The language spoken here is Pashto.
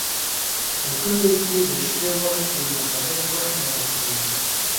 په کلیو کې د شپې وخت یو مقدس وخت ګڼل کېږي.